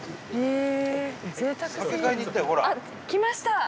あっ来ました。